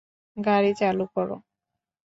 গাড়ি চালু কর!